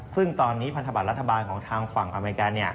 ซึ่งตอนนี้พันธบัตรรัฐบาลของทางฝั่งอเมริกา